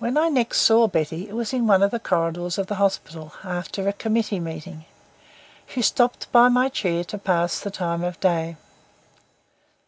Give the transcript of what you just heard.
When I next saw Betty, it was in one of the corridors of the hospital, after a committee meeting; she stopped by my chair to pass the time of day.